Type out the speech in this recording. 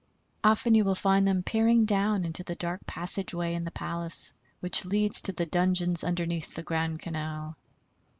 Often you will find them peering down into the dark passage way in the palace, which leads to the dungeons underneath the Grand Canal.